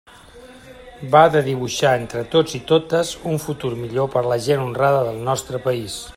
Va de dibuixar, entre tots i totes, un futur millor per a la gent honrada del nostre país.